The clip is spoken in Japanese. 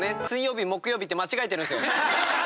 水曜日を木曜日って間違えてる。